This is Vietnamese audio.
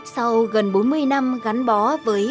sau gần bốn mươi năm gắn bó với